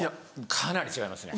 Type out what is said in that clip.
かなり違いますね。